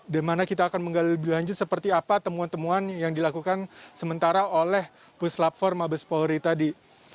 di mana kita akan menggali lebih lanjut seperti apa temuan temuan yang dilakukan sementara oleh puslap empat mabes polri tadi